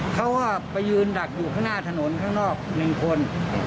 เขาก็ไปยืนดักอยู่ข้างหน้าถนนข้างนอก๑คน